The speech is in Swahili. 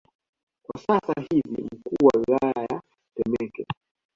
kwa sasa hivi ni mkuu wa wilaya ya Temeke